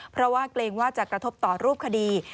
เพราะว่าเกรงว่าจะกระทบต่อรูปคดี